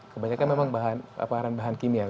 kebanyakan memang bahan kimia